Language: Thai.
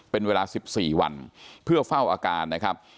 เป็นเวลา๑๔วันเพื่อเฝ้าอาการนะครับ